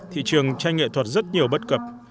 thị trường tranh nghệ thuật rất nhiều bất cập